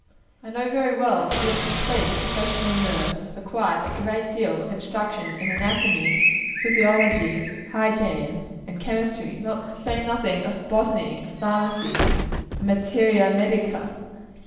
I know, very well, that to be a complete professional nurse, requires a good deal of instruction in anatomy, physiology, hygiene and chemistry to say nothing of botany, and pharmacy, and materia medica.